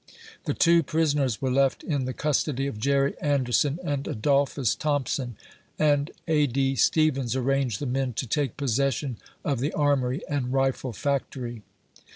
The two prisoners were left in the custody of Jerry Anderson and Adolphus Thompson, and A. D. Stevens arranged the men to take possession of the Armory and rifle factory.